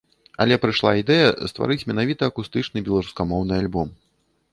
Але прыйшла ідэя стварыць менавіта акустычны беларускамоўны альбом.